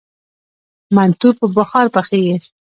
منتو په بخار پخیږي؟